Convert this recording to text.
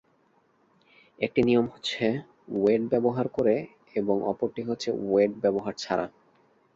একটি নিয়ম হচ্ছে ওয়েট ব্যবহার করে এবং অপরটি হচ্ছে ওয়েট ব্যবহার ছাড়া।